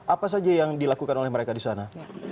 apa saja yang dilakukan oleh mereka di sana